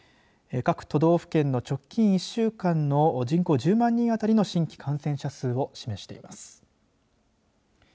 各都道府県の直近１週間の人口１０万人あたりの新規感染者数を示しています。